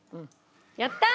やったー！